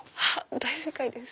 大正解です。